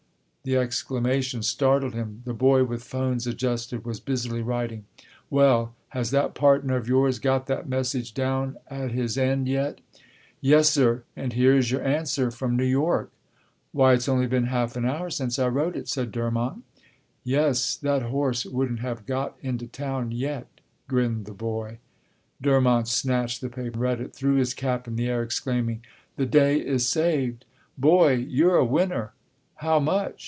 The exclamation startled him. The boy with phones adjusted was busily writing. "Well, has that partner of yours got that message down at his end yet?" "Yes, sir, and here is your answer from New York." "Why it's only been half an hour since I wrote it," said Durmont. "Yes, that horse wouldn't have got into town yet," grinned the boy. Durmont snatched the paper, read it, threw his cap in the air, exclaiming, "The day is saved. Boy, you're a winner. How much?"